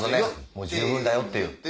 「もう十分だよ」っていう。